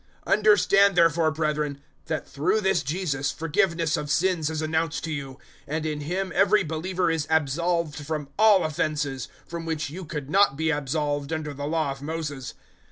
013:038 "Understand therefore, brethren, that through this Jesus forgiveness of sins is announced to you; 013:039 and in Him every believer is absolved from all offences, from which you could not be absolved under the Law of Moses.